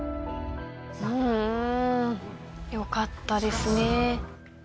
うんよかったですね。